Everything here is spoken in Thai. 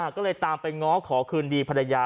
ก็เลยตามไปง้อขอคืนดีภรรยา